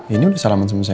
ini udah salaman sama saya